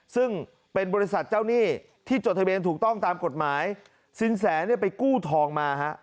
ซึ่งเป็นบริษัทเจ้าหนี้ที่จดทะเบียนถูกต้องตามกฎหมายสินแสเนี่ยไปกู้ทองมาฮะ